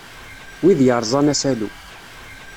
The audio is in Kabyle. Wid yerẓan asalu.